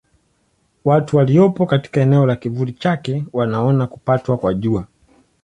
Watu waliopo katika eneo la kivuli chake wanaona kupatwa kwa Jua.